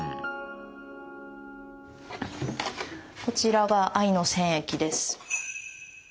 こちらが藍の染液です。